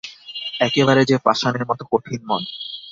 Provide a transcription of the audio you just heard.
একেবারে যে পাষাণের মতো কঠিন মন!